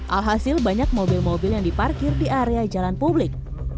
alhasil banyak mobil mobil yang diparkir di area jalan publik